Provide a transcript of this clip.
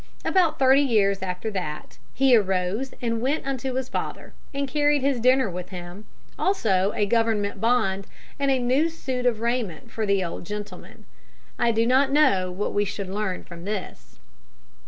About thirty years after that he arose and went unto his father, and carried his dinner with him, also a government bond and a new suit of raiment for the old gentleman. I do not know what we should learn from this.